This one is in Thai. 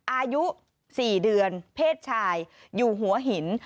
อายุ๔เดือนเพศชายอยู่หัวหิน